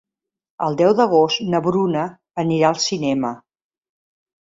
El deu d'agost na Bruna anirà al cinema.